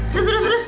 terus terus terus